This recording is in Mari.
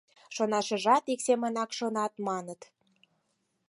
Шонашыжат ик семынак шонат, маныт...